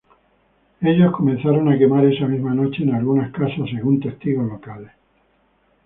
Ellos comenzaron a quemar esa misma noche en algunas casas, según testigos locales.